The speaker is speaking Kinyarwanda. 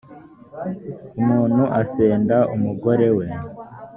umuntu asenda umugore we